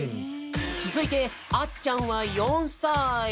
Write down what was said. つづいてあっちゃんは４さい！